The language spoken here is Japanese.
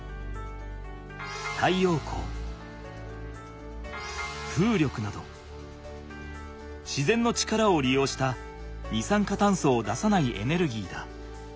太陽光風力などしぜんの力をりようした二酸化炭素を出さないエネルギーだ。